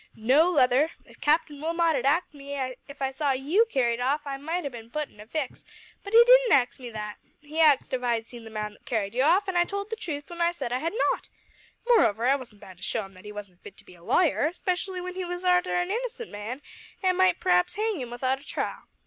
No, Leather, if Captain Wilmot had axed me if I saw you carried off, I might ha' been putt in a fix, but he didn't ax me that. He axed if I'd seen the man that carried you off an' I told the truth when I said I had not. Moreover I wasn't bound to show him that he wasn't fit to be a lawyer specially when he was arter an innocent man, an' might p'r'aps hang him without a trial.